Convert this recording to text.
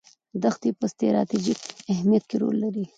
دښتې په ستراتیژیک اهمیت کې رول لري.